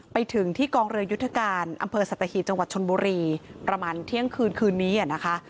ไปถึงที่กองเรือยุทธการอำเภอสัตหีบจังหวัดชนบุรีประมาณเที่ยงคืนคืนนี้นะคะ